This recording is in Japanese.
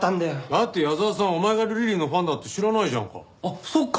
だって矢沢さんお前がルリリンのファンだって知らないじゃんか。